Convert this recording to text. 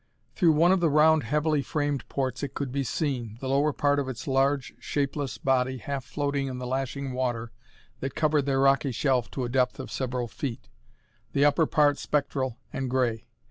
Through one of the round, heavily framed ports it could be seen, the lower part of its large, shapeless body half floating in the lashing water that covered their rocky shelf to a depth of several feet, the upper part spectral and gray.